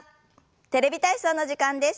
「テレビ体操」の時間です。